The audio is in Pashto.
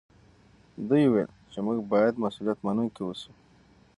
دوی وویل چې موږ باید مسوولیت منونکي اوسو.